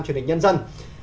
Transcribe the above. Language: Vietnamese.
truyền hình nhân dân